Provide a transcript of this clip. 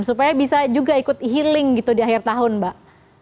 supaya bisa juga ikut healing gitu di akhir tahun mbak